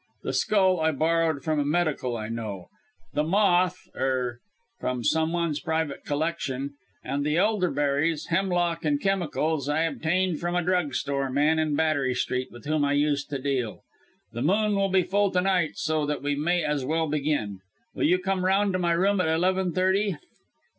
The skull I borrowed from a medical I know the moth er from some one's private collection and the elderberries, hemlock and chemicals I obtained from a drug store man in Battery Street with whom I used to deal. The moon will be full to night so that we may as well begin. Will you come round to my room at eleven thirty?"